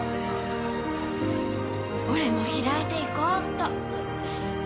俺も開いていこっと。